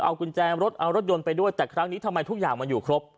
เอากุญแจรถเอารถยนต์ไปด้วยแต่ครั้งนี้ทำไมทุกอย่างมันอยู่ครบ